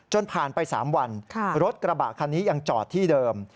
ผ่านไป๓วันรถกระบะคันนี้ยังจอดที่เดิม